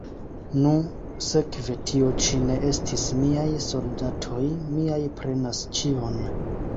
Nu, sekve tio ĉi ne estis miaj soldatoj; miaj prenas ĉion.